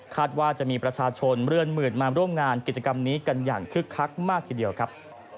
ว่าจะมีประชาชนเรือนหมื่นมาร่วมงานกิจกรรมนี้กันอย่างคึกคักมากทีเดียวครับ